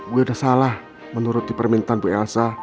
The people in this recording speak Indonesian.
gue udah salah menuruti permintaan bu elsa